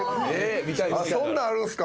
そんなんあるんすか？